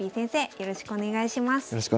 よろしくお願いします。